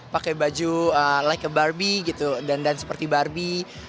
pakai baju like a barbie gitu dan seperti barbie